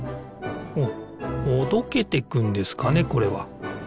ほどけていくんですかねこれは。